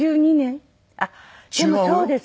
あっでもそうです。